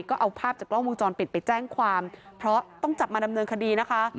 ก็เอาภาพจากกล้องวงจรปิดไปแจ้งความเพราะต้องจับมาดำเนินคดีนะคะ